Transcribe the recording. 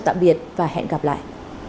xin chào tạm biệt và hẹn gặp lại